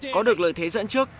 có được lợi thế dẫn trước